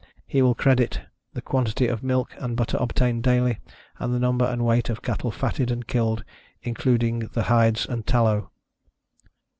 He will creditâ€"the quantity of milk and butter obtained daily, and the number and weight of cattle fatted and killed, including the hides and tallow.